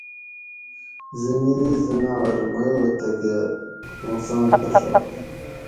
زنگلی زناور میو تھکہ نُقصان پھݭائ